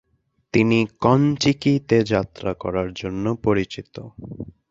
তিনি 'কন্-টিকি'তে যাত্রা করার জন্য পরিচিত।